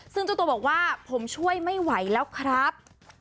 ซึ่งเจ้าตัวบอกว่าผมช่วยไม่ไหวแล้วครับ